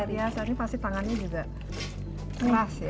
ini pasti tangannya juga keras ya